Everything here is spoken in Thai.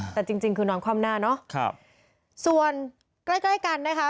แต่จริงคือนอนคว่ำหน้าเนอะส่วนใกล้กันนะคะ